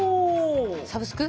サブスク？